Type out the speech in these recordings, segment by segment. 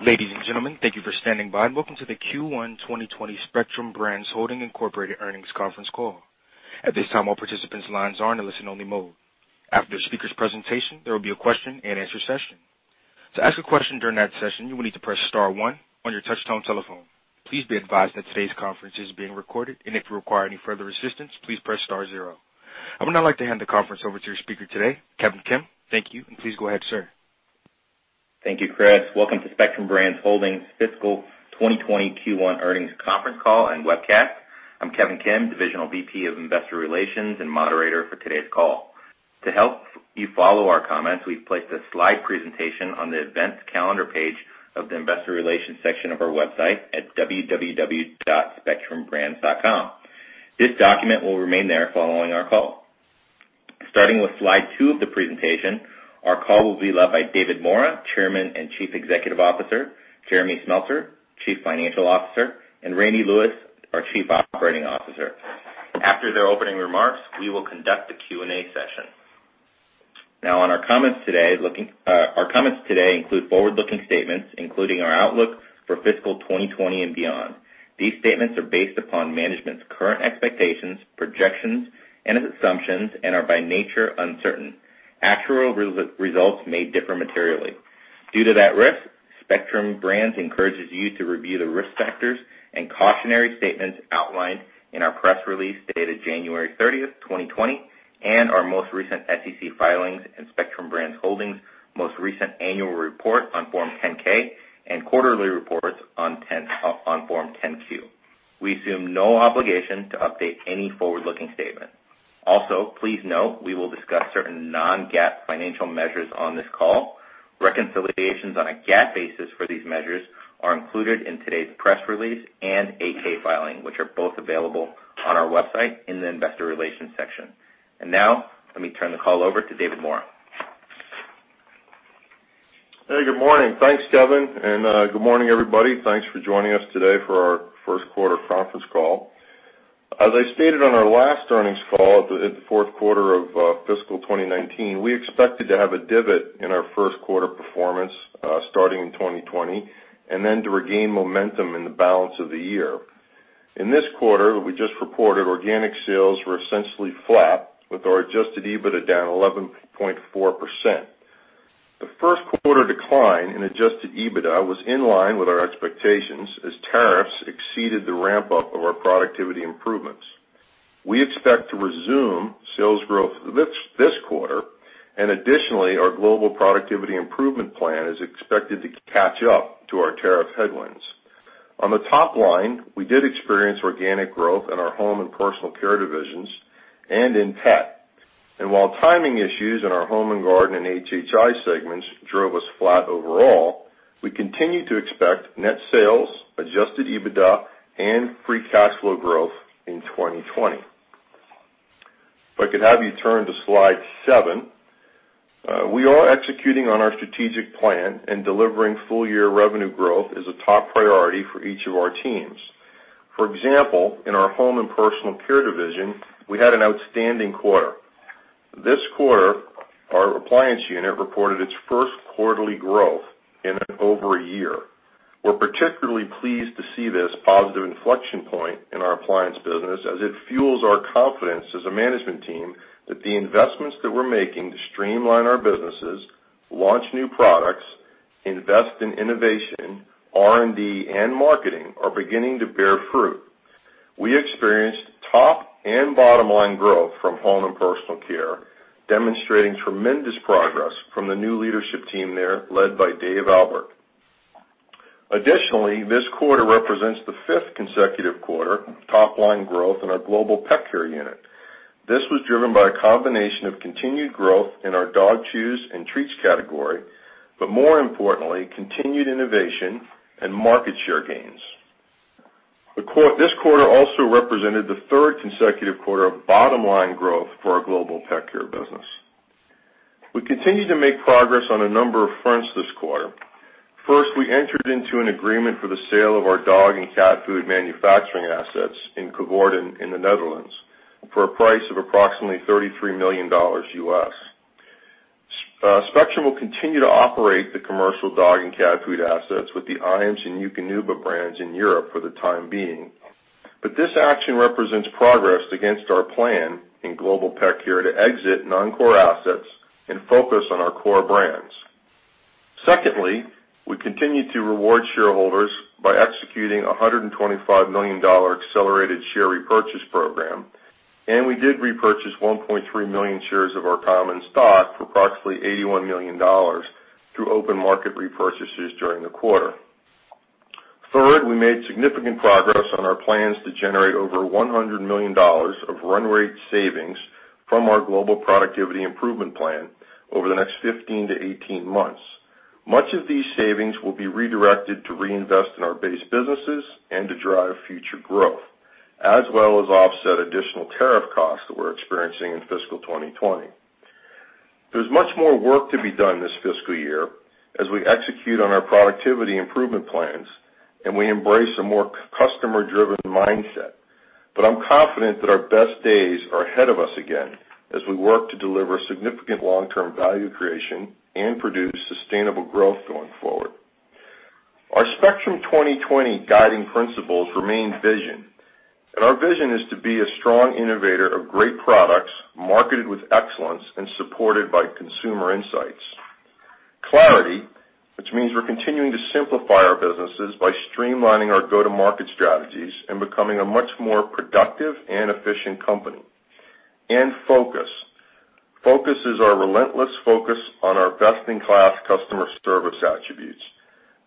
Ladies and gentlemen, thank you for standing by. Welcome to the Q1 2020 Spectrum Brands Holdings, Inc. Earnings Conference Call. At this time, all participants' lines are in a listen-only mode. After the speaker's presentation, there will be a question-and-answer session. To ask a question during that session, you will need to press star one on your touch-tone telephone. Please be advised that today's conference is being recorded, and if you require any further assistance, please press star zero. I would now like to hand the conference over to your speaker today, Kevin Kim. Thank you, and please go ahead, sir. Thank you, Chris. Welcome to Spectrum Brands Holdings Fiscal 2020 Q1 Earnings Conference Call and Webcast. I'm Kevin Kim, Divisional VP of Investor Relations and moderator for today's call. To help you follow our comments, we've placed a slide presentation on the events calendar page of the investor relations section of our website at www.spectrumbrands.com. This document will remain there following our call. Starting with slide two of the presentation, our call will be led by David Maura, Chairman and Chief Executive Officer, Jeremy Smeltser, Chief Financial Officer, and Randy Lewis, our Chief Operating Officer. After their opening remarks, we will conduct a Q&A session. Now, our comments today include forward-looking statements, including our outlook for fiscal 2020 and beyond. These statements are based upon management's current expectations, projections, and assumptions, and are by nature uncertain. Actual results may differ materially. Due to that risk, Spectrum Brands encourages you to review the risk factors and cautionary statements outlined in our press release dated January 30th, 2020, and our most recent SEC filings and Spectrum Brands Holdings most recent annual report on Form 10-K and quarterly reports on Form 10-Q. We assume no obligation to update any forward-looking statement. Please note, we will discuss certain non-GAAP financial measures on this call. Reconciliations on a GAAP basis for these measures are included in today's press release and 8-K filing, which are both available on our website in the investor relations section. Now, let me turn the call over to David Maura. Hey, good morning. Thanks, Kevin. Good morning, everybody. Thanks for joining us today for our first quarter conference call. As I stated on our last earnings call at the fourth quarter of fiscal 2019, we expected to have a divot in our first quarter performance, starting in 2020, and then to regain momentum in the balance of the year. In this quarter, we just reported organic sales were essentially flat, with our adjusted EBITDA down 11.4%. The first quarter decline in adjusted EBITDA was in line with our expectations as tariffs exceeded the ramp-up of our productivity improvements. We expect to resume sales growth this quarter. Additionally, our Global Productivity Improvement Plan is expected to catch up to our tariff headwinds. On the top line, we did experience organic growth in our Home & Personal Care divisions and in pet. While timing issues in our Home & Garden and HHI segments drove us flat overall, we continue to expect net sales, adjusted EBITDA, and free cash flow growth in 2020. If I could have you turn to slide seven. We are executing on our strategic plan, and delivering full-year revenue growth is a top priority for each of our teams. For example, in our Home & Personal Care division, we had an outstanding quarter. This quarter, our appliance unit reported its first quarterly growth in over a year. We're particularly pleased to see this positive inflection point in our appliance business as it fuels our confidence as a management team that the investments that we're making to streamline our businesses, launch new products, invest in innovation, R&D, and marketing are beginning to bear fruit. We experienced top and bottom-line growth from Home and Personal Care, demonstrating tremendous progress from the new leadership team there, led by Dave Albert. Additionally, this quarter represents the fifth consecutive quarter top-line growth in our Global Pet Care unit. This was driven by a combination of continued growth in our dog chews and treats category, but more importantly, continued innovation and market share gains. This quarter also represented the third consecutive quarter of bottom-line growth for our Global Pet Care business. We continue to make progress on a number of fronts this quarter. First, we entered into an agreement for the sale of our dog and cat food manufacturing assets in Culemborg in the Netherlands for a price of approximately $33 million. Spectrum will continue to operate the commercial dog and cat food assets with the Iams and Eukanuba brands in Europe for the time being. This action represents progress against our plan in Global Pet Care to exit non-core assets and focus on our core brands. Secondly, we continue to reward shareholders by executing a $125 million accelerated share repurchase program, and we did repurchase 1.3 million shares of our common stock for approximately $81 million through open market repurchases during the quarter. Third, we made significant progress on our plans to generate over $100 million of run rate savings from our Global Productivity Improvement Plan over the next 15-18 months. Much of these savings will be redirected to reinvest in our base businesses and to drive future growth, as well as offset additional tariff costs that we're experiencing in fiscal 2020. There's much more work to be done this fiscal year as we execute on our productivity improvement plans and we embrace a more customer-driven mindset. I'm confident that our best days are ahead of us again, as we work to deliver significant long-term value creation and produce sustainable growth going forward. Our Spectrum 2020 guiding principles remain vision, and our vision is to be a strong innovator of great products, marketed with excellence and supported by consumer insights. Clarity, which means we're continuing to simplify our businesses by streamlining our go-to-market strategies and becoming a much more productive and efficient company. Focus. Focus is our relentless focus on our best-in-class customer service attributes.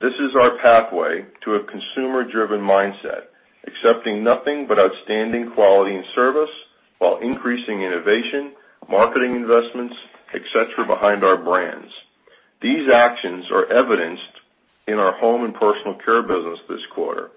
This is our pathway to a consumer-driven mindset, accepting nothing but outstanding quality and service while increasing innovation, marketing investments, et cetera, behind our brands. These actions are evidenced in our Home & Personal Care business this quarter.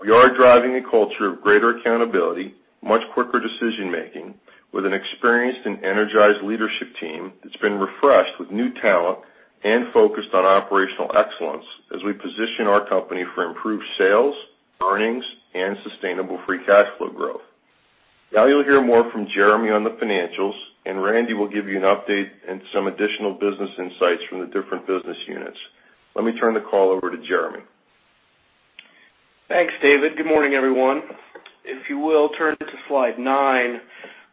We are driving a culture of greater accountability, much quicker decision-making with an experienced and energized leadership team that's been refreshed with new talent and focused on operational excellence as we position our company for improved sales, earnings, and sustainable free cash flow growth. Now you'll hear more from Jeremy on the financials, and Randy will give you an update and some additional business insights from the different business units. Let me turn the call over to Jeremy. Thanks, David. Good morning, everyone. If you will, turn to slide nine.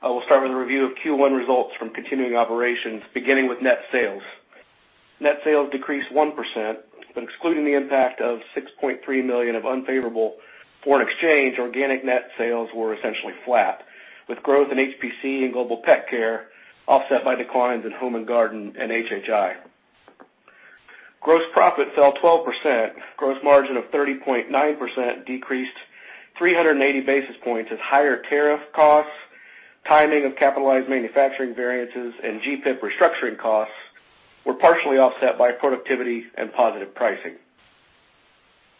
I will start with a review of Q1 results from continuing operations, beginning with net sales. Net sales decreased 1%, but excluding the impact of $6.3 million of unfavorable foreign exchange, organic net sales were essentially flat, with growth in HPC and Global Pet Care offset by declines in Home & Garden and HHI. Gross profit fell 12%, gross margin of 30.9% decreased 380 basis points as higher tariff costs, timing of capitalized manufacturing variances, and GPIP restructuring costs were partially offset by productivity and positive pricing.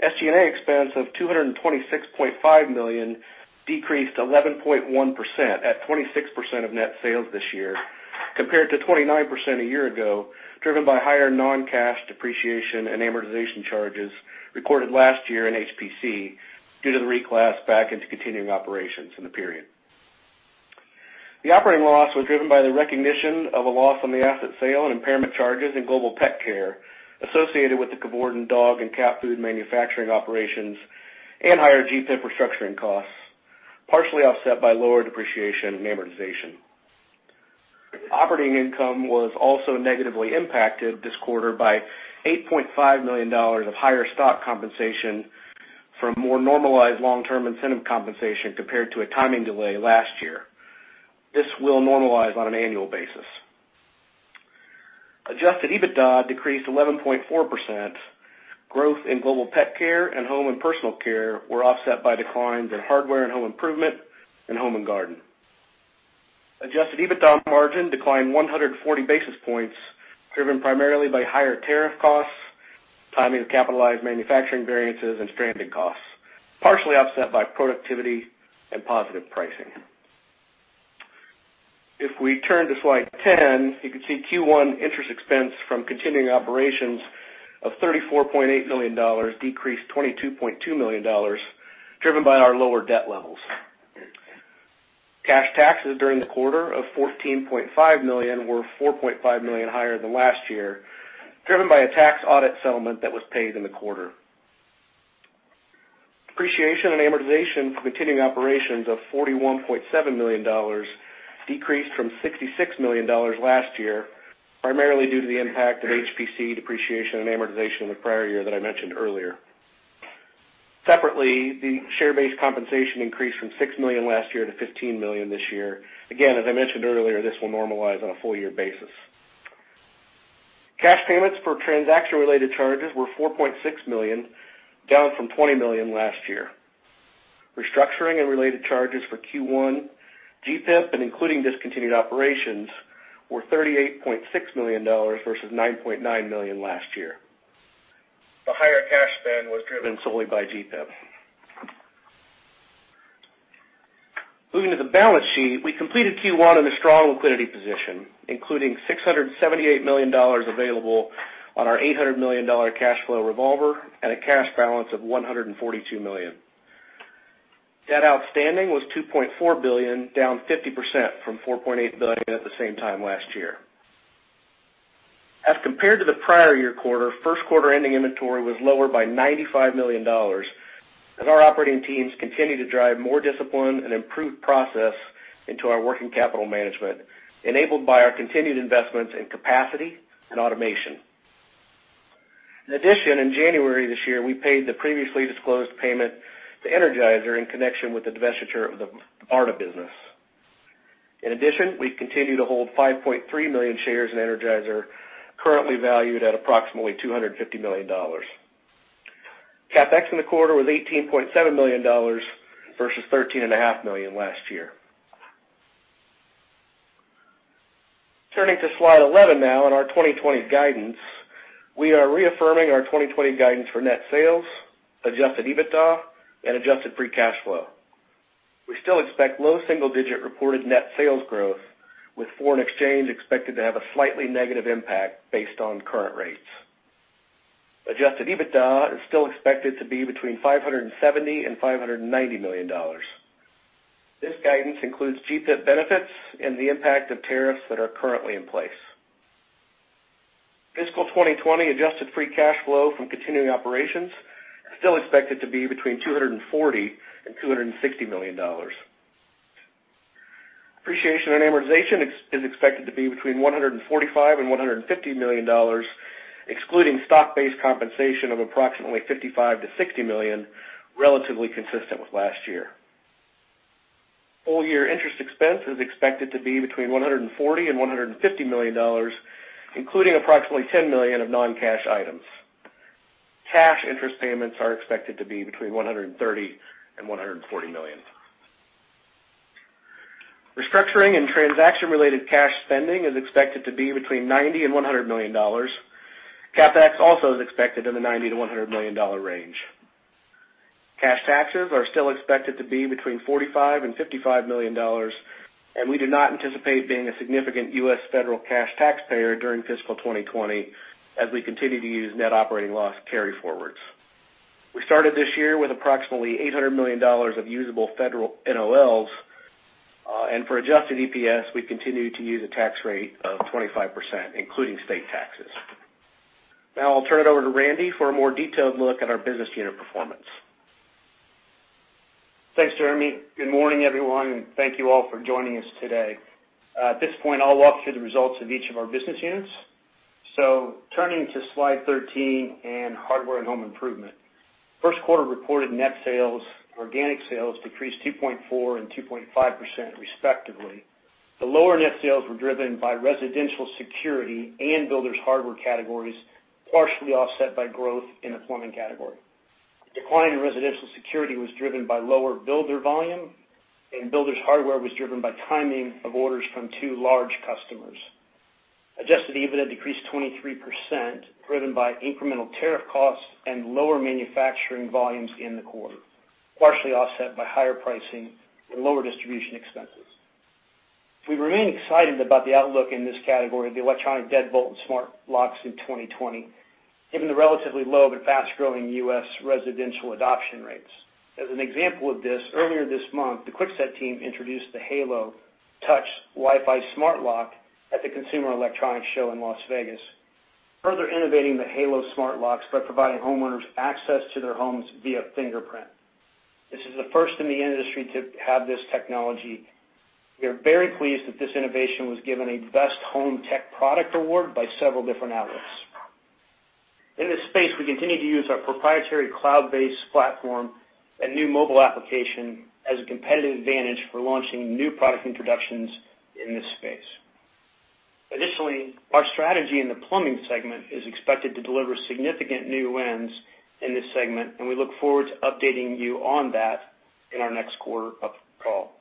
SG&A expense of $226.5 million decreased 11.1% at 26% of net sales this year compared to 29% a year ago, driven by higher non-cash depreciation and amortization charges recorded last year in HPC due to the reclass back into continuing operations in the period. The operating loss was driven by the recognition of a loss on the asset sale and impairment charges in Global Pet Care, associated with the Kibble and dog and cat food manufacturing operations and higher GPIP restructuring costs, partially offset by lower depreciation and amortization. Operating income was also negatively impacted this quarter by $8.5 million of higher stock compensation from more normalized long-term incentive compensation compared to a timing delay last year. This will normalize on an annual basis. Adjusted EBITDA decreased 11.4%. Growth in Global Pet Care and Home & Personal Care were offset by declines in Hardware and Home Improvement and Home & Garden. Adjusted EBITDA margin declined 140 basis points, driven primarily by higher tariff costs, timing of capitalized manufacturing variances, and stranded costs, partially offset by productivity and positive pricing. If we turn to slide 10, you can see Q1 interest expense from continuing operations of $34.8 million, decreased $22.2 million, driven by our lower debt levels. Cash taxes during the quarter of $14.5 million were $4.5 million higher than last year, driven by a tax audit settlement that was paid in the quarter. Depreciation and amortization for continuing operations of $41.7 million decreased from $66 million last year, primarily due to the impact of HPC depreciation and amortization in the prior year that I mentioned earlier. Separately, the share-based compensation increased from $6 million last year to $15 million this year. As I mentioned earlier, this will normalize on a full year basis. Cash payments for transaction-related charges were $4.6 million, down from $20 million last year. Restructuring and related charges for Q1, GPIP, and including discontinued operations were $38.6 million versus $9.9 million last year. The higher cash spend was driven solely by GPIP. Moving to the balance sheet, we completed Q1 in a strong liquidity position, including $678 million available on our $800 million cash flow revolver and a cash balance of $142 million. Debt outstanding was $2.4 billion, down 50% from $4.8 billion at the same time last year. As compared to the prior year quarter, first quarter ending inventory was lower by $95 million as our operating teams continue to drive more discipline and improved process into our working capital management, enabled by our continued investments in capacity and automation. In addition, in January this year, we paid the previously disclosed payment to Energizer in connection with the divestiture of the Varta business. In addition, we continue to hold 5.3 million shares in Energizer, currently valued at approximately $250 million. CapEx in the quarter was $18.7 million versus $13.5 million last year. Turning to slide 11 now on our 2020 guidance. We are reaffirming our 2020 guidance for net sales, adjusted EBITDA, and adjusted free cash flow. We still expect low single-digit reported net sales growth, with foreign exchange expected to have a slightly negative impact based on current rates. Adjusted EBITDA is still expected to be between $570 million and $590 million. This guidance includes GPIP benefits and the impact of tariffs that are currently in place. Fiscal 2020 adjusted free cash flow from continuing operations are still expected to be between $240 million and $260 million. Depreciation and amortization is expected to be between $145 million and $150 million, excluding stock-based compensation of approximately $55 million-$60 million, relatively consistent with last year. Full year interest expense is expected to be between $140 million and $150 million, including approximately $10 million of non-cash items. Cash interest payments are expected to be between $130 million and $140 million. Restructuring and transaction-related cash spending is expected to be between $90 million and $100 million. CapEx also is expected in the $90 million-$100 million range. Cash taxes are still expected to be between $45 million and $55 million, and we do not anticipate being a significant U.S. federal cash taxpayer during fiscal 2020, as we continue to use net operating loss carryforwards. We started this year with approximately $800 million of usable federal NOLs. For adjusted EPS, we continue to use a tax rate of 25%, including state taxes. Now I'll turn it over to Randy for a more detailed look at our business unit performance. Thanks, Jeremy. Good morning, everyone, and thank you all for joining us today. At this point, I'll walk through the results of each of our business units. Turning to slide 13 and Hardware and Home Improvement. First quarter reported net sales, organic sales decreased 2.4% and 2.5% respectively. The lower net sales were driven by residential security and builder's hardware categories, partially offset by growth in the plumbing category. Decline in residential security was driven by lower builder volume, and builder's hardware was driven by timing of orders from two large customers. Adjusted EBITDA decreased 23%, driven by incremental tariff costs and lower manufacturing volumes in the quarter, partially offset by higher pricing and lower distribution expenses. We remain excited about the outlook in this category, the electronic deadbolt and smart locks in 2020, given the relatively low but fast-growing U.S. residential adoption rates. As an example of this, earlier this month, the Kwikset team introduced the Halo Touch Wi-Fi Smart Lock at the Consumer Electronics Show in Las Vegas, further innovating the Halo smart locks by providing homeowners access to their homes via fingerprint. This is the first in the industry to have this technology. We are very pleased that this innovation was given a best home tech product award by several different outlets. In this space, we continue to use our proprietary cloud-based platform and new mobile application as a competitive advantage for launching new product introductions in this space. Additionally, our strategy in the plumbing segment is expected to deliver significant new wins in this segment, and we look forward to updating you on that in our next quarter up call.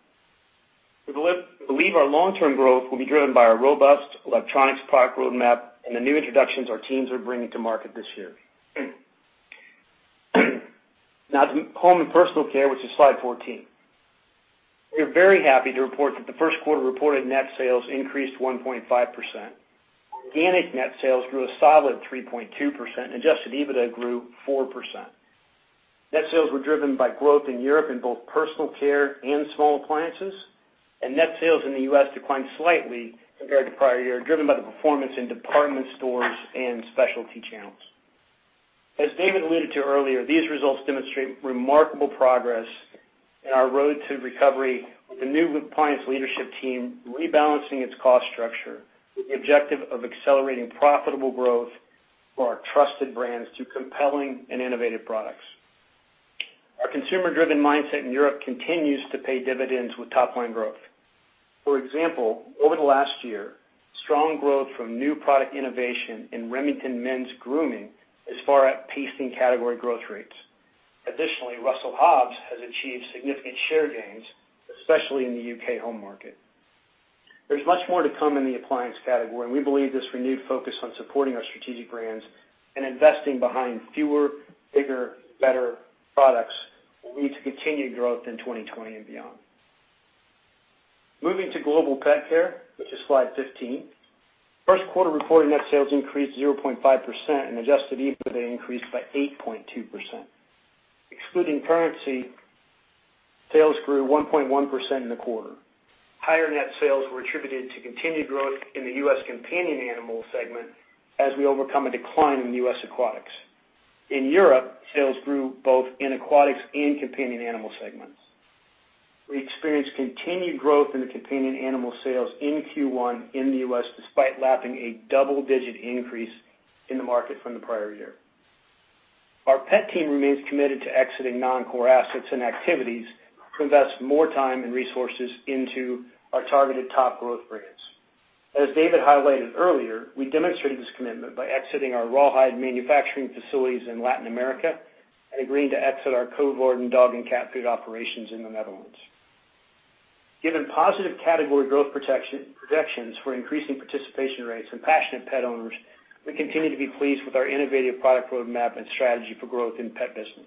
We believe our long-term growth will be driven by our robust electronics product roadmap and the new introductions our teams are bringing to market this year. To Home & Personal Care, which is slide 14. We are very happy to report that the first quarter reported net sales increased 1.5%. Organic net sales grew a solid 3.2%, adjusted EBITDA grew 4%. Net sales were driven by growth in Europe in both personal care and small appliances, and net sales in the U.S. declined slightly compared to prior year, driven by the performance in department stores and specialty channels. As David alluded to earlier, these results demonstrate remarkable progress in our road to recovery with the new appliance leadership team rebalancing its cost structure with the objective of accelerating profitable growth for our trusted brands through compelling and innovative products. Our consumer-driven mindset in Europe continues to pay dividends with top-line growth. For example, over the last year, strong growth from new product innovation in Remington men's grooming is far outpacing category growth rates. Additionally, Russell Hobbs has achieved significant share gains, especially in the U.K. home market. We believe this renewed focus on supporting our strategic brands and investing behind fewer, bigger, better products will lead to continued growth in 2020 and beyond. Moving to Global Pet Care, which is slide 15. First quarter reported net sales increased 0.5% and adjusted EBITDA increased by 8.2%. Excluding currency, sales grew 1.1% in the quarter. Higher net sales were attributed to continued growth in the U.S. companion animal segment as we overcome a decline in U.S. aquatics. In Europe, sales grew both in aquatics and companion animal segments. We experienced continued growth in the companion animal sales in Q1 in the U.S., despite lapping a double-digit increase in the market from the prior year. Our pet team remains committed to exiting non-core assets and activities to invest more time and resources into our targeted top growth brands. As David highlighted earlier, we demonstrated this commitment by exiting our rawhide manufacturing facilities in Latin America and agreeing to exit our Coevorden dog and cat food operations in the Netherlands. Given positive category growth projections for increasing participation rates and passionate pet owners, we continue to be pleased with our innovative product roadmap and strategy for growth in pet business.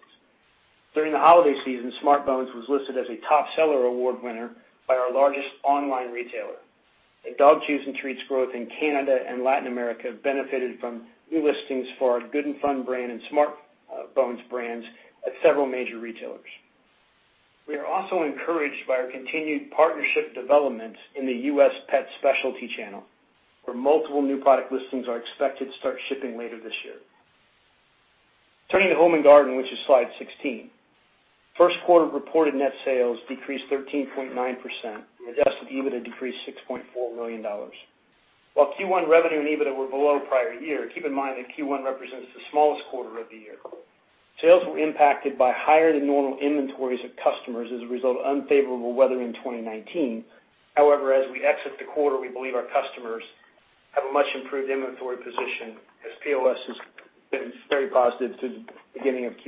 During the holiday season, SmartBones was listed as a Top Seller Award Winner by our largest online retailer. Dog chews and treats growth in Canada and Latin America benefited from new listings for our Good & Fun brand and SmartBones brands at several major retailers. We are also encouraged by our continued partnership developments in the U.S. pet specialty channel, where multiple new product listings are expected to start shipping later this year. Turning to Home & Garden, which is slide 16. First quarter reported net sales decreased 13.9%, and adjusted EBITDA decreased $6.4 million. While Q1 revenue and EBITDA were below prior year, keep in mind that Q1 represents the smallest quarter of the year. Sales were impacted by higher than normal inventories of customers as a result of unfavorable weather in 2019. As we exit the quarter, we believe our customers have a much-improved inventory position as POS has been very positive through the beginning of Q2.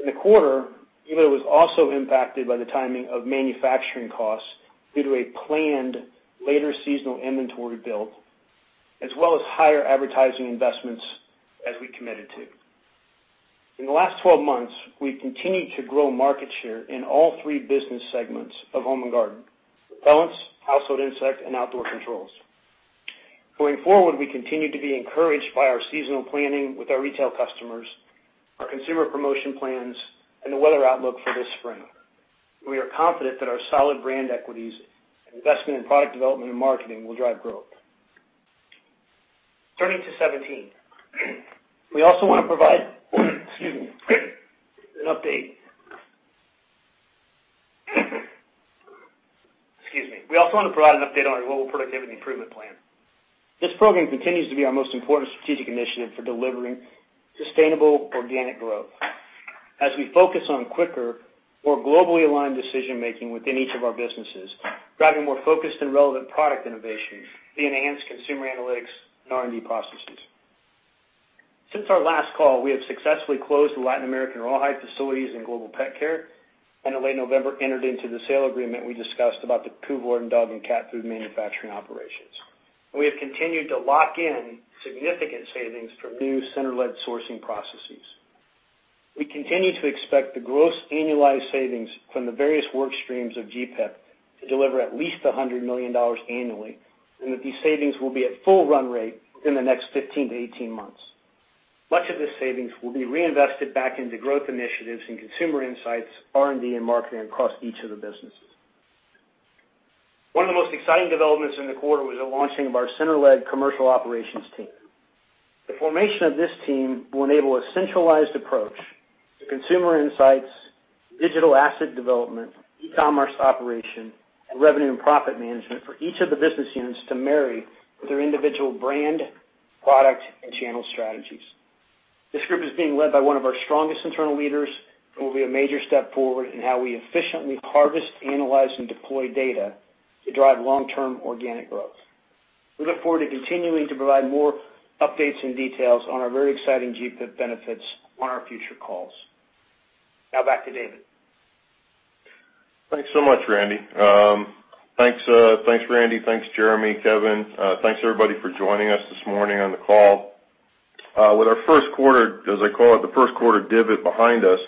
In the quarter, EBITDA was also impacted by the timing of manufacturing costs due to a planned later seasonal inventory build, as well as higher advertising investments as we committed to. In the last 12 months, we've continued to grow market share in all three business segments of Home & Garden: repellents, household insect, and outdoor controls. Going forward, we continue to be encouraged by our seasonal planning with our retail customers, our consumer promotion plans, and the weather outlook for this spring. We are confident that our solid brand equities, investment in product development and marketing will drive growth. Turning to 17. We also want to provide excuse me, an update. Excuse me. We also want to provide an update on our Global Productivity Improvement Plan. This program continues to be our most important strategic initiative for delivering sustainable organic growth. As we focus on quicker, more globally aligned decision-making within each of our businesses, driving more focused and relevant product innovation via enhanced consumer analytics and R&D processes. Since our last call, we have successfully closed the Latin American rawhide facilities in Global Pet Care, and in late November, entered into the sale agreement we discussed about the Coevorden dog and cat food manufacturing operations. We have continued to lock in significant savings from new center-led sourcing processes. We continue to expect the gross annualized savings from the various work streams of GPIP to deliver at least $100 million annually, and that these savings will be at full run rate within the next 15-18 months. Much of these savings will be reinvested back into growth initiatives and consumer insights, R&D, and marketing across each of the businesses. One of the most exciting developments in the quarter was the launching of our center-led commercial operations team. The formation of this team will enable a centralized approach to consumer insights, digital asset development, e-commerce operation, and revenue and profit management for each of the business units to marry with their individual brand, product, and channel strategies. This group is being led by one of our strongest internal leaders and will be a major step forward in how we efficiently harvest, analyze, and deploy data to drive long-term organic growth. We look forward to continuing to provide more updates and details on our very exciting GPIP benefits on our future calls. Now back to David. Thanks so much, Randy. Thanks, Randy. Thanks, Jeremy, Kevin. Thanks, everybody, for joining us this morning on the call. With our first quarter, as I call it, the first quarter divot behind us,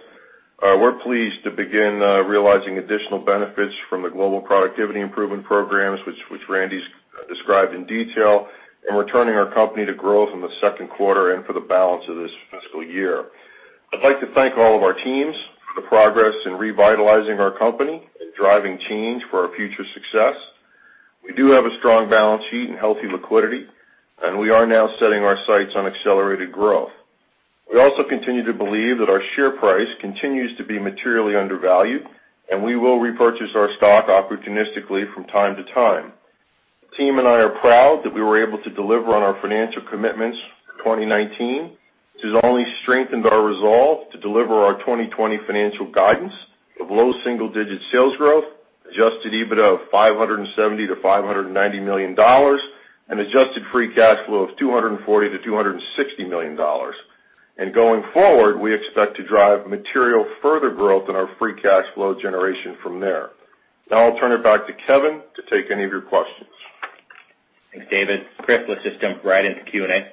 we're pleased to begin realizing additional benefits from the Global Productivity Improvement Programs, which Randy's described in detail, and returning our company to growth in the second quarter and for the balance of this fiscal year. I'd like to thank all of our teams for the progress in revitalizing our company and driving change for our future success. We do have a strong balance sheet and healthy liquidity. We are now setting our sights on accelerated growth. We also continue to believe that our share price continues to be materially undervalued. We will repurchase our stock opportunistically from time to time. The team and I are proud that we were able to deliver on our financial commitments for 2019, which has only strengthened our resolve to deliver our 2020 financial guidance of low single-digit sales growth, adjusted EBITDA of $570 million-$590 million, and adjusted free cash flow of $240 million-$260 million. Going forward, we expect to drive material further growth in our free cash flow generation from there. Now I'll turn it back to Kevin to take any of your questions. Thanks, David. Chris, let's just jump right into Q&A.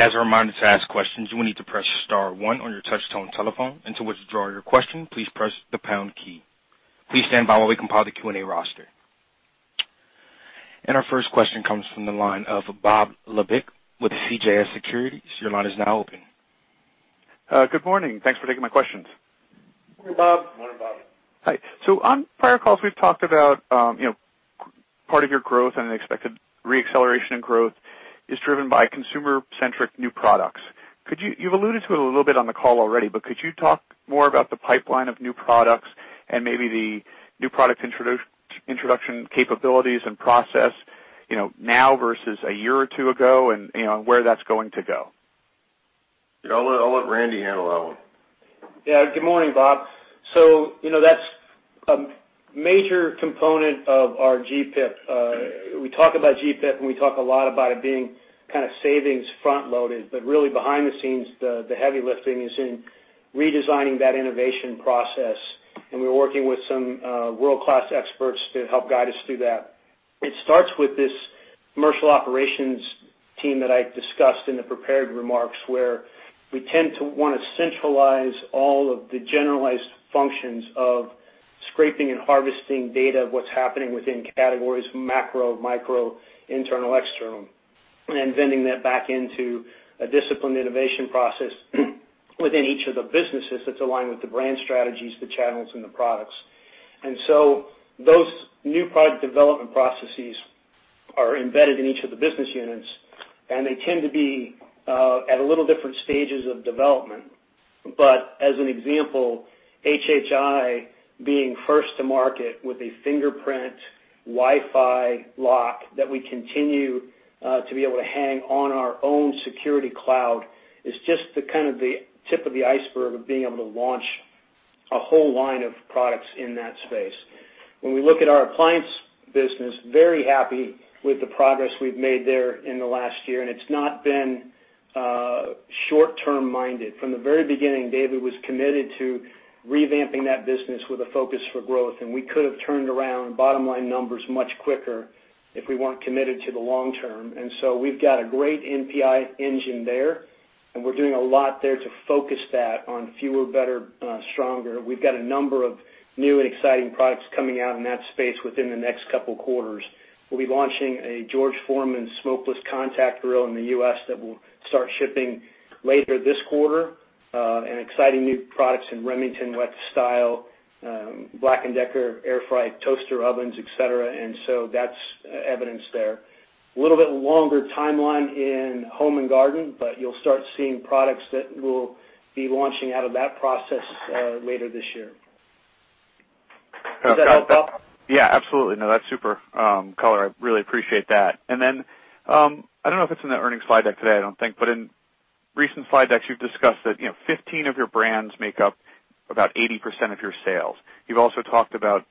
As a reminder, to ask questions, you will need to press star one on your touch-tone telephone, and to withdraw your question, please press the pound key. Please stand by while we compile the Q&A roster. Our first question comes from the line of Bob Labick with CJS Securities. Your line is now open. Good morning. Thanks for taking my questions. Morning, Bob. Morning, Bob. Hi. On prior calls, we've talked about part of your growth and an expected re-acceleration in growth is driven by consumer-centric new products. You've alluded to it a little bit on the call already, but could you talk more about the pipeline of new products and maybe the new product introduction capabilities and process, now versus a year or two ago and where that's going to go? I'll let Randy handle that one. Yeah. Good morning, Bob. That's a major component of our GPIP. We talk about GPIP, and we talk a lot about it being kind of savings front-loaded, but really behind the scenes, the heavy lifting is in redesigning that innovation process, and we're working with some world-class experts to help guide us through that. It starts with this commercial operations team that I discussed in the prepared remarks, where we tend to want to centralize all of the generalized functions of scraping and harvesting data of what's happening within categories, macro, micro, internal, external, and then vending that back into a disciplined innovation process within each of the businesses that's aligned with the brand strategies, the channels, and the products. Those new product development processes are embedded in each of the business units, and they tend to be at a little different stages of development. As an example, HHI being first to market with a fingerprint Wi-Fi lock that we continue to be able to hang on our own security cloud is just the tip of the iceberg of being able to launch a whole line of products in that space. When we look at our appliance business, very happy with the progress we've made there in the last year, and it's not been short-term minded. From the very beginning, David was committed to revamping that business with a focus for growth, and we could have turned around bottom-line numbers much quicker if we weren't committed to the long term. We've got a great NPI engine there, and we're doing a lot there to focus that on fewer, better, stronger. We've got a number of new and exciting products coming out in that space within the next couple of quarters. We'll be launching a George Foreman smokeless contact grill in the U.S. that will start shipping later this quarter, and exciting new products in Remington wet style, Black & Decker air fry toaster ovens, et cetera. That's evidence there. A little bit longer timeline in Home & Garden, you'll start seeing products that we'll be launching out of that process later this year. Does that help, Bob? Yeah, absolutely. No, that's super color. I really appreciate that. I don't know if it's in the earnings slide deck today, I don't think, but in recent slide decks, you've discussed that 15 of your brands make up about 80% of your sales. You've also talked about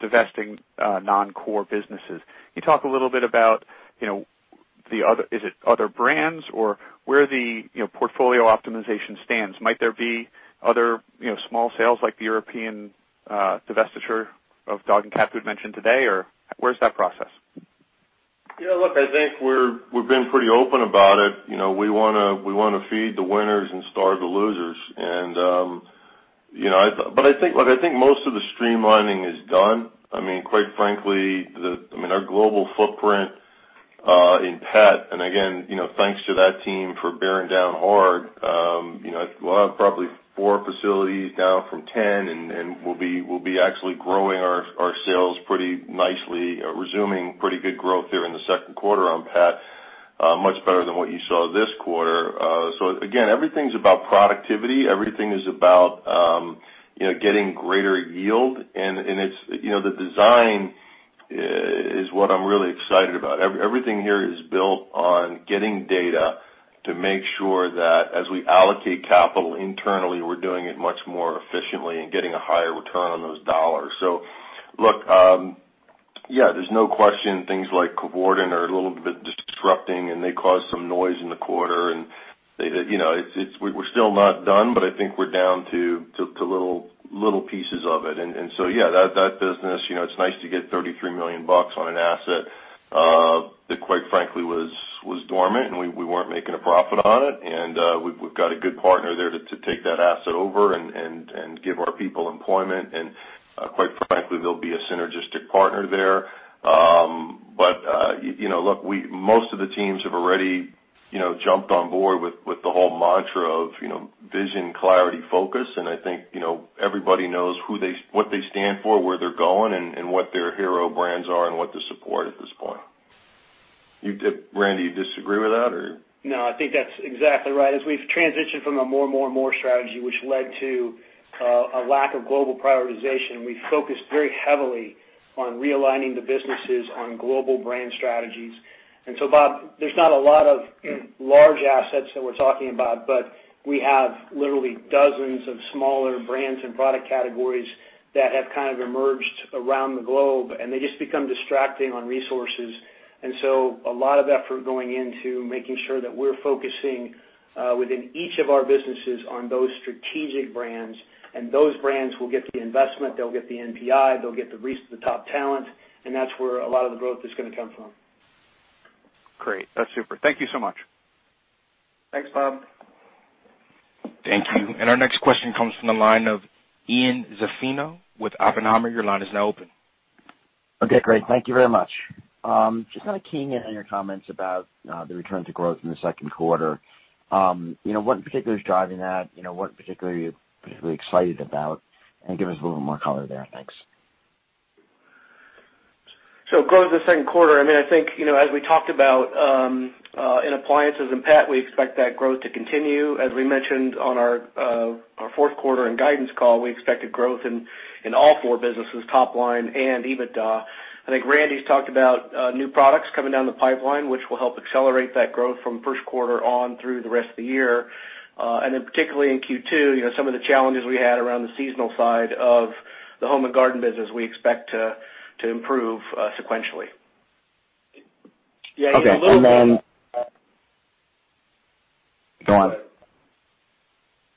divesting non-core businesses. Can you talk a little bit about, is it other brands or where the portfolio optimization stands? Might there be other small sales like the European divestiture of dog and cat food mentioned today, or where's that process? Yeah, I think we've been pretty open about it. We want to feed the winners and starve the losers. I think most of the streamlining is done. Quite frankly, our global footprint in pet, thanks to that team for bearing down hard. We'll have probably four facilities down from 10. We'll be actually growing our sales pretty nicely, resuming pretty good growth there in the second quarter on pet, much better than what you saw this quarter. Again, everything's about productivity. Everything is about getting greater yield. The design is what I'm really excited about. Everything here is built on getting data to make sure that as we allocate capital internally, we're doing it much more efficiently and getting a higher return on those dollars. Look, yeah, there's no question things like Coevorden are a little bit disrupting, and they cause some noise in the quarter, and we're still not done, but I think we're down to little pieces of it. Yeah, that business, it's nice to get $33 million on an asset that quite frankly was dormant, and we weren't making a profit on it. We've got a good partner there to take that asset over and give our people employment. Quite frankly, there'll be a synergistic partner there. Look, most of the teams have already jumped on board with the whole mantra of vision, clarity, focus, and I think everybody knows what they stand for, where they're going, and what their hero brands are and what to support at this point. Randy, you disagree with that, or? No, I think that's exactly right. As we've transitioned from a more, more, more strategy, which led to a lack of global prioritization, we've focused very heavily on realigning the businesses on global brand strategies. Bob, there's not a lot of large assets that we're talking about, but we have literally dozens of smaller brands and product categories that have kind of emerged around the globe, and they just become distracting on resources. A lot of effort going into making sure that we're focusing within each of our businesses on those strategic brands, and those brands will get the investment, they'll get the NPI, they'll get the top talent, and that's where a lot of the growth is going to come from. Great. That's super. Thank you so much. Thanks, Bob. Thank you. Our next question comes from the line of Ian Zaffino with Oppenheimer. Your line is now open. Okay, great. Thank you very much. Just kind of keying in on your comments about the return to growth in the second quarter. What in particular is driving that? What particularly are you particularly excited about? Give us a little more color there. Thanks. Growth in the second quarter, I think as we talked about in appliances and pet, we expect that growth to continue. As we mentioned on our fourth quarter and guidance call, we expected growth in all four businesses, top line and EBITDA. I think Randy's talked about new products coming down the pipeline, which will help accelerate that growth from first quarter on through the rest of the year. Particularly in Q2, some of the challenges we had around the seasonal side of the Home & Garden business, we expect to improve sequentially. Yeah, Ian. Go on.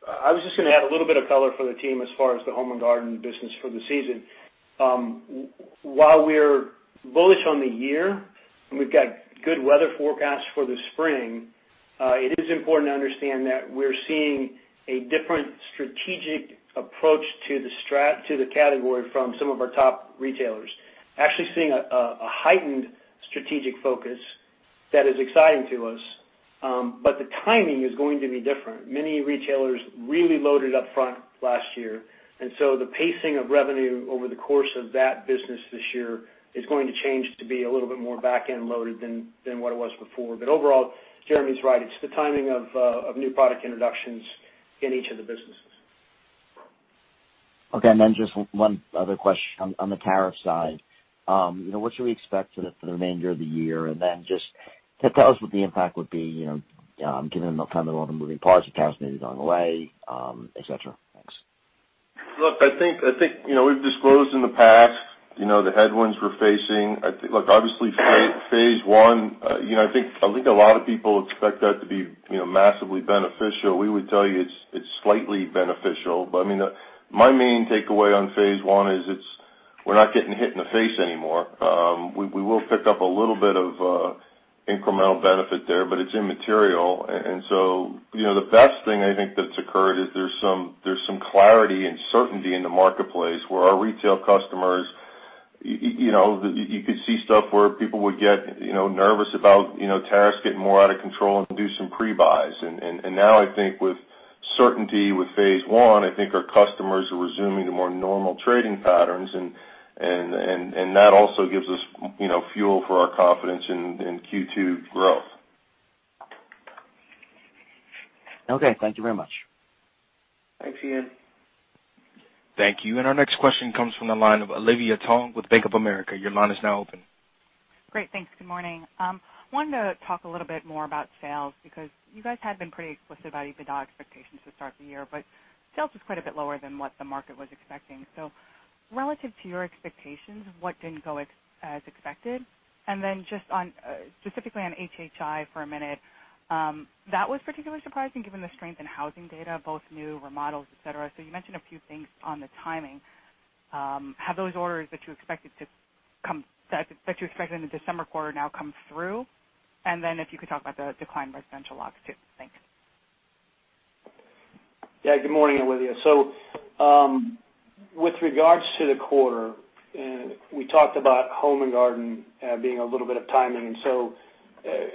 I was just going to add a little bit of color for the team as far as the Home & Garden business for the season. While we're bullish on the year and we've got good weather forecasts for the spring, it is important to understand that we're seeing a different strategic approach to the category from some of our top retailers. Actually seeing a heightened strategic focus that is exciting to us, but the timing is going to be different. Many retailers really loaded up front last year, and so the pacing of revenue over the course of that business this year is going to change to be a little bit more back-end loaded than what it was before. Overall, Jeremy's right. It's the timing of new product introductions in each of the businesses. Okay. Just one other question on the tariff side. What should we expect for the remainder of the year? Just tell us what the impact would be, given the kind of a lot of moving parts, tariffs may be going away, et cetera. Thanks. Look, I think we've disclosed in the past the headwinds we're facing. Look, obviously Phase One, I think a lot of people expect that to be massively beneficial. We would tell you it's slightly beneficial. My main takeaway on Phase One is we're not getting hit in the face anymore. We will pick up a little bit of incremental benefit there, but it's immaterial. The best thing I think that's occurred is there's some clarity and certainty in the marketplace where our retail customers, you could see stuff where people would get nervous about tariffs getting more out of control and do some pre-buys. Now I think with certainty with phase I, I think our customers are resuming to more normal trading patterns, and that also gives us fuel for our confidence in Q2 growth. Okay. Thank you very much. Thanks, Ian. Thank you. Our next question comes from the line of Olivia Tong with Bank of America. Your line is now open. Great. Thanks. Good morning. Wanted to talk a little bit more about sales because you guys had been pretty explicit about EBITDA expectations to start the year. Sales was quite a bit lower than what the market was expecting. Relative to your expectations, what didn't go as expected? Just specifically on HHI for a minute, that was particularly surprising given the strength in housing data, both new remodels, et cetera. You mentioned a few things on the timing. Have those orders that you expected in the December quarter now come through? If you could talk about the decline in residential locks, too. Thanks. Yeah. Good morning, Olivia. With regards to the quarter, we talked about Home & Garden being a little bit of timing.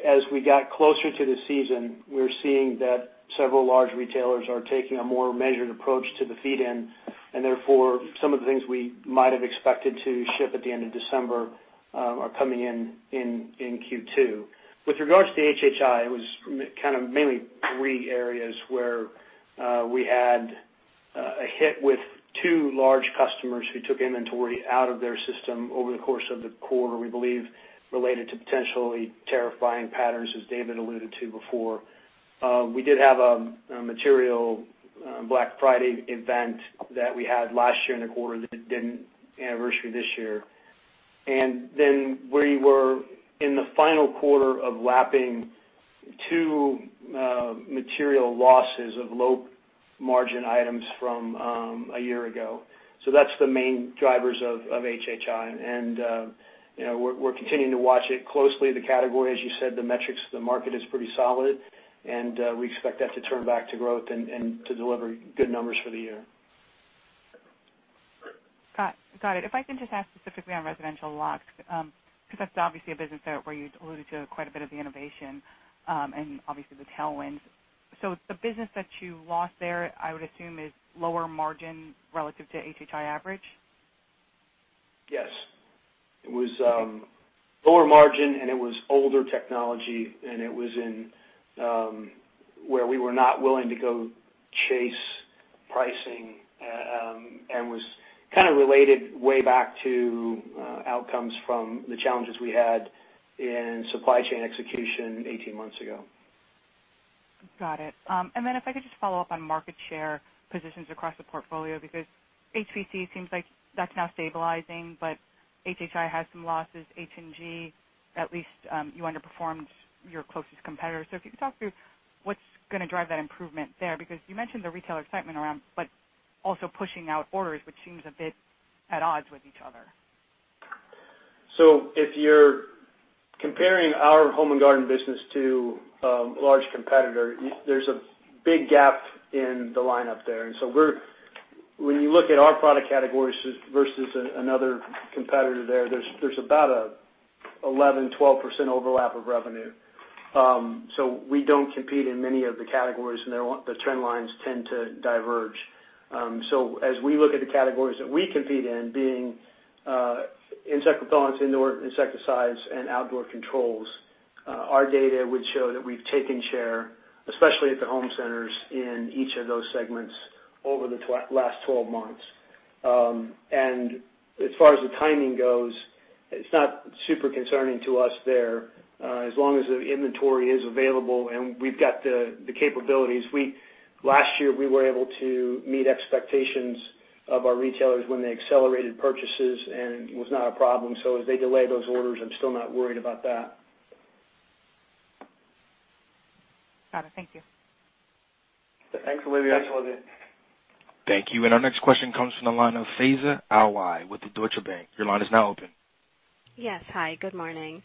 As we got closer to the season, we're seeing that several large retailers are taking a more measured approach to the feed in, and therefore, some of the things we might have expected to ship at the end of December are coming in in Q2. With regards to HHI, it was kind of mainly three areas where we had a hit with two large customers who took inventory out of their system over the course of the quarter, we believe related to potentially de-stocking patterns, as David alluded to before. We did have a material Black Friday event that we had last year in the quarter that didn't anniversary this year. We were in the final quarter of lapping two material losses of low margin items from a year ago. That's the main drivers of HHI. We're continuing to watch it closely. The category, as you said, the metrics, the market is pretty solid, and we expect that to turn back to growth and to deliver good numbers for the year. Got it. If I can just ask specifically on residential locks, because that's obviously a business where you alluded to quite a bit of the innovation, and obviously the tailwinds. The business that you lost there, I would assume is lower margin relative to HHI average? Yes. It was lower margin, and it was older technology, and it was where we were not willing to go chase pricing, and was kind of related way back to outcomes from the challenges we had in supply chain execution 18 months ago. Got it. If I could just follow up on market share positions across the portfolio, because HPC seems like that's now stabilizing, but HHI has some losses. H&G, at least you underperformed your closest competitor. If you could talk through what's going to drive that improvement there, because you mentioned the retailer excitement around, but also pushing out orders, which seems a bit at odds with each other. If you're comparing our Home & Garden business to a large competitor, there's a big gap in the lineup there. When you look at our product categories versus another competitor there's about a 11%-12% overlap of revenue. We don't compete in many of the categories, and the trend lines tend to diverge. As we look at the categories that we compete in being insect repellents, indoor insecticides, and outdoor controls, our data would show that we've taken share, especially at the home centers in each of those segments over the last 12 months. As far as the timing goes, it's not super concerning to us there. As long as the inventory is available and we've got the capabilities. Last year, we were able to meet expectations of our retailers when they accelerated purchases and was not a problem. As they delay those orders, I'm still not worried about that. Got it. Thank you. Thanks, Olivia. Thank you. Our next question comes from the line of Faiza Alwy with the Deutsche Bank. Your line is now open. Yes. Hi, good morning.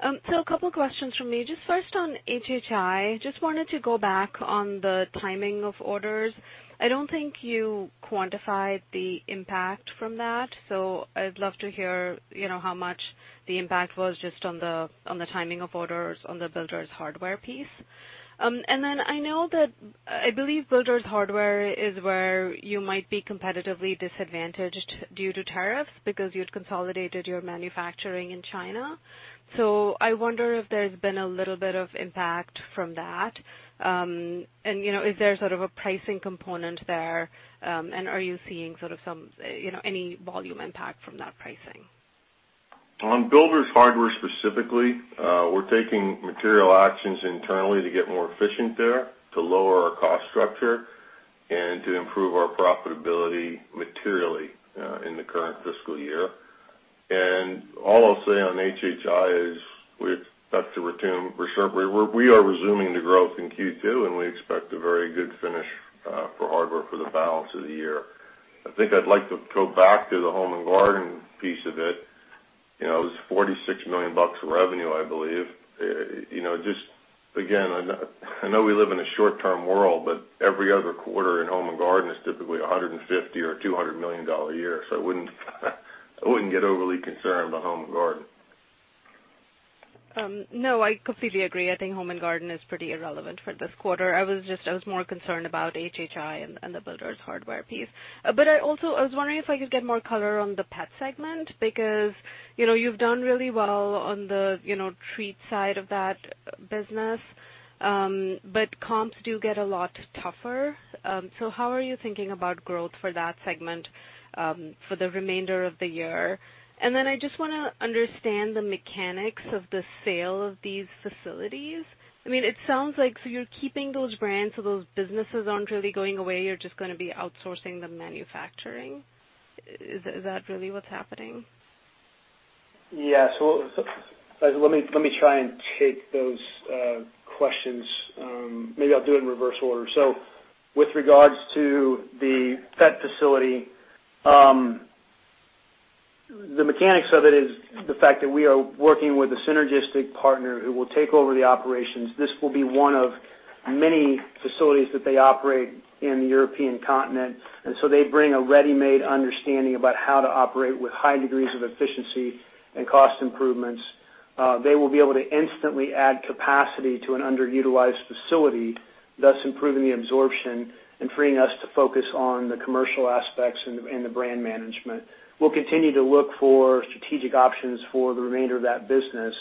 A couple questions from me. Just first on HHI, just wanted to go back on the timing of orders. I don't think you quantified the impact from that. I'd love to hear how much the impact was just on the timing of orders on the Builders' Hardware piece. I believe Builders' Hardware is where you might be competitively disadvantaged due to tariffs because you'd consolidated your manufacturing in China. I wonder if there's been a little bit of impact from that. Is there sort of a pricing component there? Are you seeing any volume impact from that pricing? On Builders' Hardware specifically, we're taking material actions internally to get more efficient there, to lower our cost structure, and to improve our profitability materially in the current fiscal year. All I'll say on HHI is back to Randy's remarks, we are resuming the growth in Q2, and we expect a very good finish for hardware for the balance of the year. I think I'd like to go back to the Home & Garden piece a bit. It was $46 million revenue, I believe. I know we live in a short-term world, but every other quarter in Home & Garden is typically $150 million or $200 million a year, so I wouldn't get overly concerned about Home & Garden. No, I completely agree. I think Home & Garden is pretty irrelevant for this quarter. I was more concerned about HHI and the Builders' Hardware piece. Also, I was wondering if I could get more color on the pet segment, because you've done really well on the treat side of that business. Comps do get a lot tougher. How are you thinking about growth for that segment, for the remainder of the year? Then I just want to understand the mechanics of the sale of these facilities. It sounds like you're keeping those brands, so those businesses aren't really going away. You're just going to be outsourcing the manufacturing. Is that really what's happening? Yeah. Let me try and take those questions. Maybe I'll do it in reverse order. With regards to the pet facility, the mechanics of it is the fact that we are working with a synergistic partner who will take over the operations. This will be one of many facilities that they operate in the European continent, and so they bring a ready-made understanding about how to operate with high degrees of efficiency and cost improvements. They will be able to instantly add capacity to an underutilized facility, thus improving the absorption and freeing us to focus on the commercial aspects and the brand management. We'll continue to look for strategic options for the remainder of that business.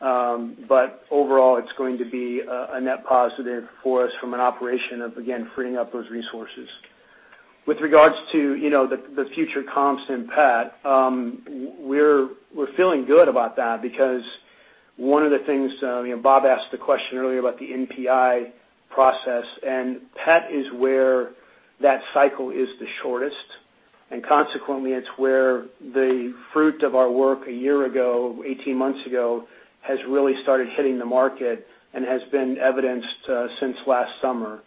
Overall, it's going to be a net positive for us from an operation of, again, freeing up those resources. With regards to the future comps in pet, we're feeling good about that because Bob asked a question earlier about the NPI process, and pet is where that cycle is the shortest, and consequently, it's where the fruit of our work a year ago, 18 months ago, has really started hitting the market and has been evidenced since last summer.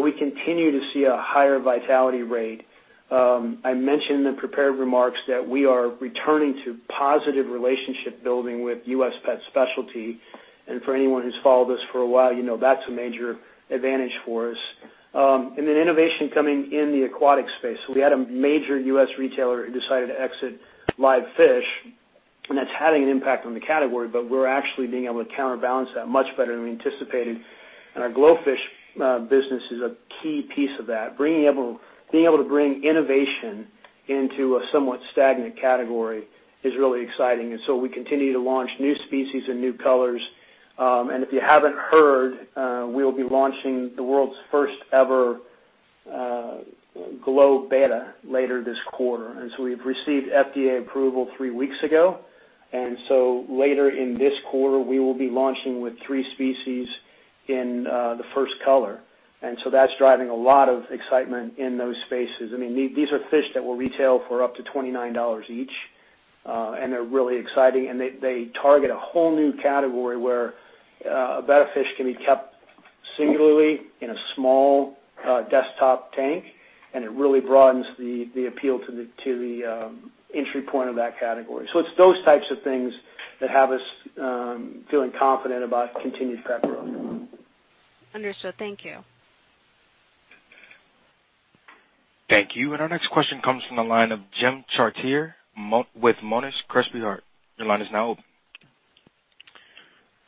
We continue to see a higher vitality rate. I mentioned in prepared remarks that we are returning to positive relationship building with U.S. Pet Specialty, and for anyone who's followed us for a while, you know that's a major advantage for us. Innovation coming in the aquatic space. We had a major U.S. retailer who decided to exit live fish, and that's having an impact on the category, but we're actually being able to counterbalance that much better than we anticipated. Our GloFish business is a key piece of that. Being able to bring innovation into a somewhat stagnant category is really exciting. We continue to launch new species and new colors. If you haven't heard, we'll be launching the world's first ever GloBetta later this quarter. We've received FDA approval three weeks ago, later in this quarter, we will be launching with three species in the first color. That's driving a lot of excitement in those spaces. These are fish that will retail for up to $29 each. They're really exciting, and they target a whole new category where a betta fish can be kept singularly in a small desktop tank, and it really broadens the appeal to the entry point of that category. It's those types of things that have us feeling confident about continued pet growth. Understood. Thank you. Thank you. Our next question comes from the line of Jim Chartier with Monness, Crespi, Hardt. Your line is now open.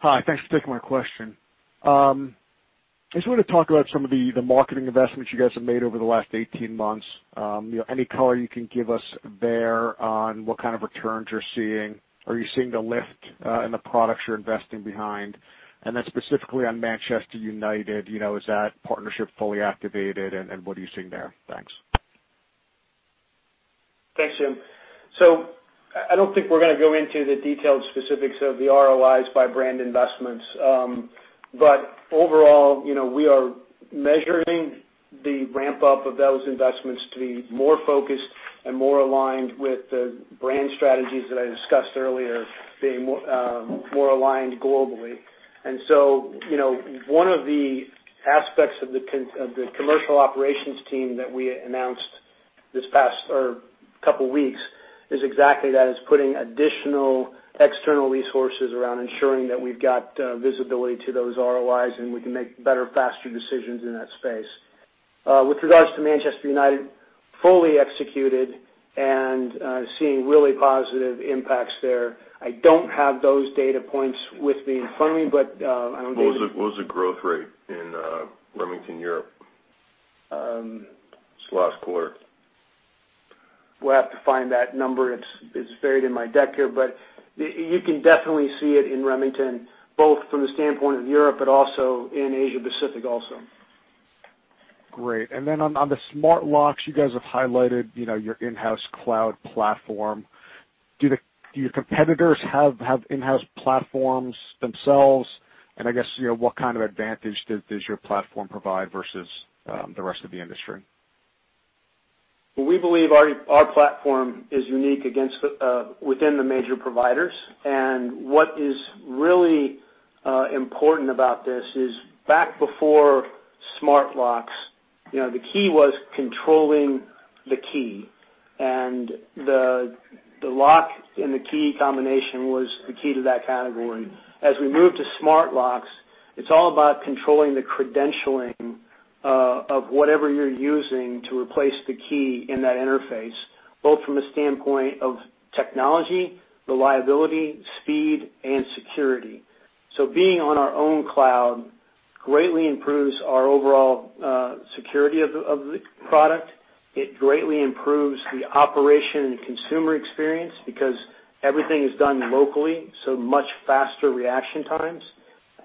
Hi. Thanks for taking my question. I just want to talk about some of the marketing investments you guys have made over the last 18 months. Any color you can give us there on what kind of returns you're seeing? Are you seeing the lift in the products you're investing behind? Specifically on Manchester United, is that partnership fully activated and what are you seeing there? Thanks. Thanks, Jim. I don't think we're going to go into the detailed specifics of the ROIs by brand investments. Overall, we are measuring the ramp-up of those investments to be more focused and more aligned with the brand strategies that I discussed earlier, being more aligned globally. One of the aspects of the commercial operations team that we announced this past couple weeks is exactly that. It's putting additional external resources around ensuring that we've got visibility to those ROIs, and we can make better, faster decisions in that space. With regards to Manchester United, fully executed and seeing really positive impacts there. I don't have those data points with me in front of me. What was the growth rate in Remington Europe this last quarter? We'll have to find that number. It's buried in my deck here, but you can definitely see it in Remington, both from the standpoint of Europe but also in Asia-Pacific also. Great. On the smart locks, you guys have highlighted your in-house cloud platform. Do your competitors have in-house platforms themselves? I guess, what kind of advantage does your platform provide versus the rest of the industry? Well, we believe our platform is unique within the major providers. What is really important about this is back before smart locks, the key was controlling the key, and the lock and the key combination was the key to that category. As we move to smart locks, it's all about controlling the credentialing of whatever you're using to replace the key in that interface, both from a standpoint of technology, reliability, speed, and security. Being on our own cloud greatly improves our overall security of the product. It greatly improves the operation and consumer experience because everything is done locally, so much faster reaction times.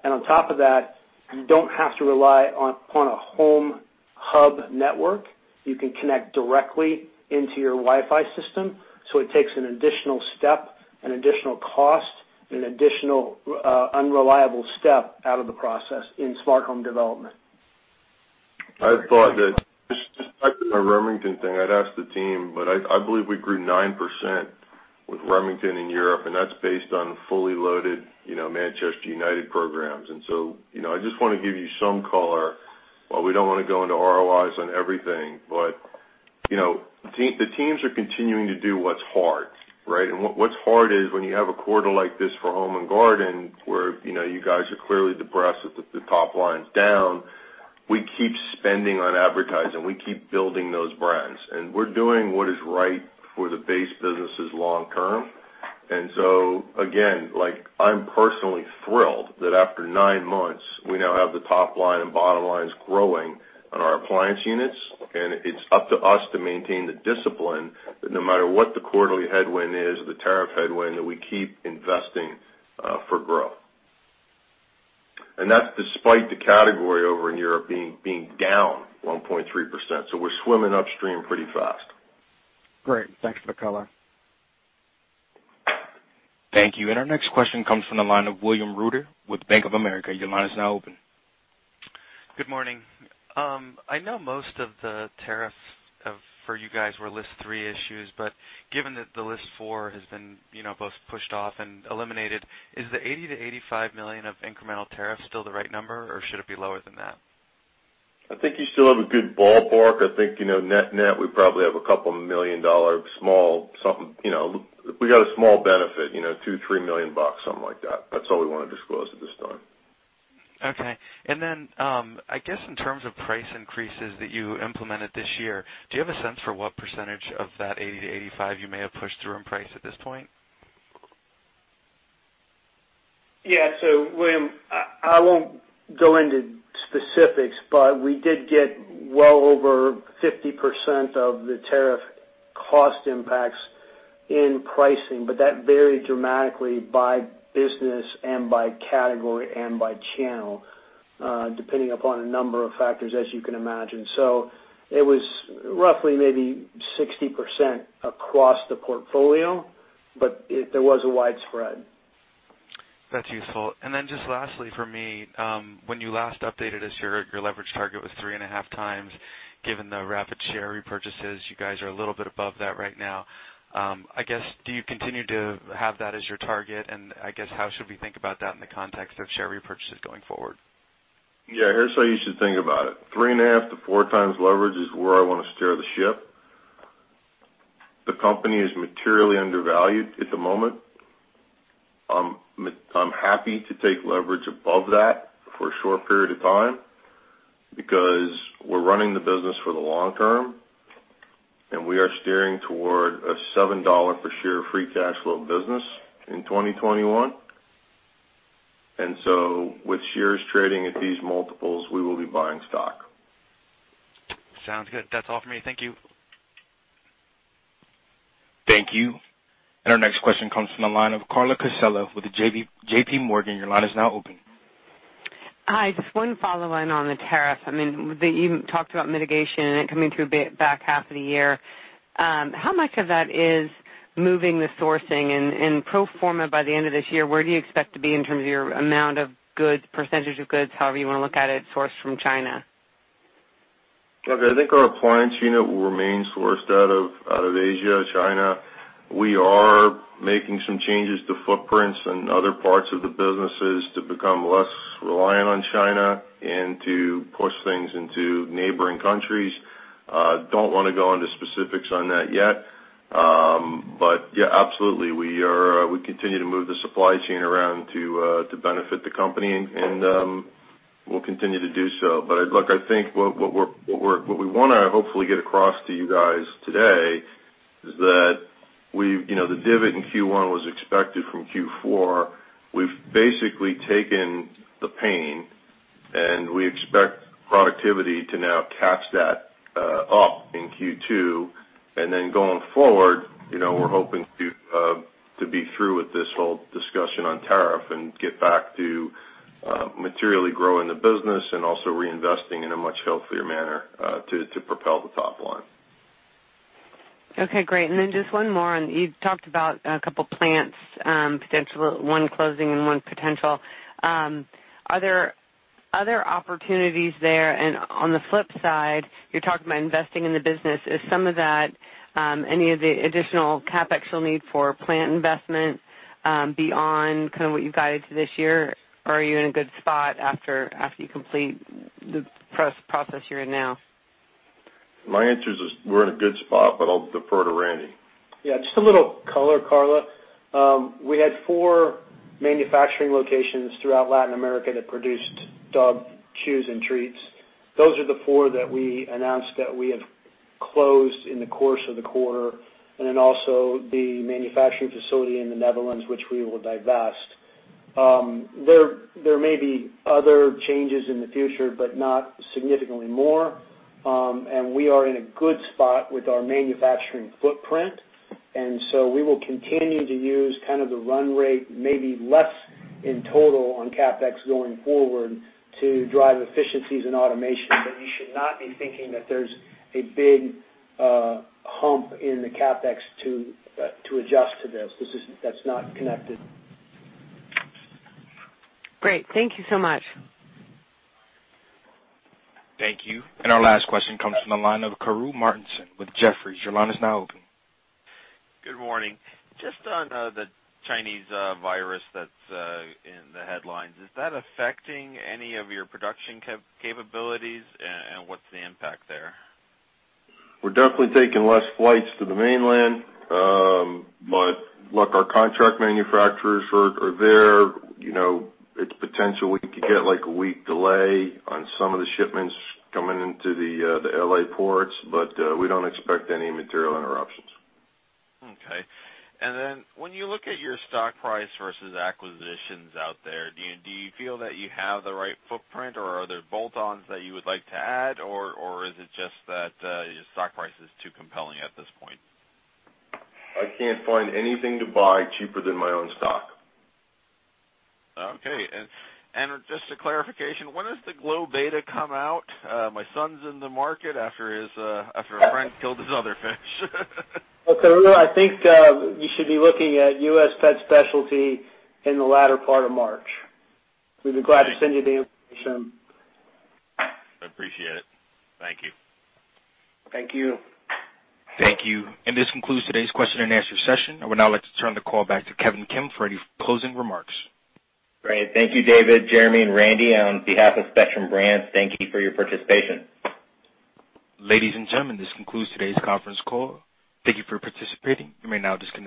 On top of that, you don't have to rely upon a home hub network. You can connect directly into your Wi-Fi system, so it takes an additional step, an additional cost, an additional unreliable step out of the process in smart home development. I thought that, just back to the Remington thing, I'd ask the team, but I believe we grew 9% with Remington in Europe, and that's based on fully loaded Manchester United programs. I just want to give you some color. While we don't want to go into ROIs on everything, but the teams are continuing to do what's hard, right? What's hard is when you have a quarter like this for Home & Garden, where you guys are clearly depressed that the top line's down, we keep spending on advertising. We keep building those brands. We're doing what is right for the base businesses long term. Again, I'm personally thrilled that after nine months, we now have the top line and bottom lines growing on our appliance units, and it's up to us to maintain the discipline that no matter what the quarterly headwind is or the tariff headwind, that we keep investing for growth. That's despite the category over in Europe being down 1.3%. We're swimming upstream pretty fast. Great. Thanks for the color. Thank you. Our next question comes from the line of William Reuter with Bank of America. Your line is now open. Good morning. I know most of the tariff for you guys were list three issues, given that the list four has been both pushed off and eliminated, is the $80 million-$85 million of incremental tariffs still the right number, or should it be lower than that? I think you still have a good ballpark. I think net-net, we probably have a couple million dollar small something. We got a small benefit, $2 million-$3 million, something like that. That's all we want to disclose at this time. Okay. I guess in terms of price increases that you implemented this year, do you have a sense for what percent of that $80-$85 you may have pushed through in price at this point? Yeah. William, I won't go into specifics, but we did get well over 50% of the tariff cost impacts in pricing, but that varied dramatically by business and by category and by channel, depending upon a number of factors, as you can imagine. It was roughly maybe 60% across the portfolio, but there was a wide spread. That's useful. Just lastly for me, when you last updated us, your leverage target was three and a half times. Given the rapid share repurchases, you guys are a little bit above that right now. I guess, do you continue to have that as your target, I guess how should we think about that in the context of share repurchases going forward? Yeah, here's how you should think about it. Three and a half to four times leverage is where I want to steer the ship. The company is materially undervalued at the moment. I'm happy to take leverage above that for a short period of time because we're running the business for the long term, and we are steering toward a $7 per share free cash flow business in 2021. With shares trading at these multiples, we will be buying stock. Sounds good. That's all for me. Thank you. Thank you. Our next question comes from the line of Carla Casella with JPMorgan. Your line is now open Hi, just one follow-on on the tariff. You talked about mitigation and it coming through back half of the year. How much of that is moving the sourcing? Pro forma, by the end of this year, where do you expect to be in terms of your amount of goods, percentage of goods, however you want to look at it, sourced from China? I think our appliance unit will remain sourced out of Asia, China. We are making some changes to footprints in other parts of the businesses to become less reliant on China and to push things into neighboring countries. Don't want to go into specifics on that yet. Yeah, absolutely, we continue to move the supply chain around to benefit the company, and we'll continue to do so. Look, I think what we want to hopefully get across to you guys today is that the divot in Q1 was expected from Q4. We've basically taken the pain, and we expect productivity to now catch that up in Q2. Going forward, we're hoping to be through with this whole discussion on tariff and get back to materially growing the business and also reinvesting in a much healthier manner, to propel the top line. Okay, great. Just one more. You talked about a couple of plants, one closing and one potential. Are there other opportunities there? On the flip side, you're talking about investing in the business. Is any of the additional CapEx you'll need for plant investment beyond kind of what you guided to this year, or are you in a good spot after you complete the process you're in now? My answer is we're in a good spot, but I'll defer to Randy. Yeah, just a little color, Carla. We had four manufacturing locations throughout Latin America that produced dog chews and treats. Those are the four that we announced that we have closed in the course of the quarter. Also the manufacturing facility in the Netherlands, which we will divest. There may be other changes in the future, not significantly more. We are in a good spot with our manufacturing footprint. We will continue to use kind of the run rate, maybe less in total on CapEx going forward to drive efficiencies and automation. You should not be thinking that there's a big hump in the CapEx to adjust to this. That's not connected. Great. Thank you so much. Thank you. Our last question comes from the line of Karru Martinson with Jefferies. Your line is now open. Good morning. Just on the Chinese virus that's in the headlines, is that affecting any of your production capabilities, and what's the impact there? We're definitely taking less flights to the mainland. Look, our contract manufacturers are there. It's potential we could get, like, a week delay on some of the shipments coming into the L.A. ports, but we don't expect any material interruptions. Okay. When you look at your stock price versus acquisitions out there, do you feel that you have the right footprint, or are there bolt-ons that you would like to add, or is it just that your stock price is too compelling at this point? I can't find anything to buy cheaper than my own stock. Okay. Just a clarification, when does the GloBetta data come out? My son's in the market after a friend killed his other fish. Well, Karru, I think you should be looking at U.S. Pet Specialty in the latter part of March. We'd be glad to send you the information. I appreciate it. Thank you. Thank you. Thank you. This concludes today's question and answer session. I would now like to turn the call back to Kevin Kim for any closing remarks. Great. Thank you, David, Jeremy, and Randy. On behalf of Spectrum Brands, thank you for your participation. Ladies and gentlemen, this concludes today's conference call. Thank you for participating. You may now disconnect.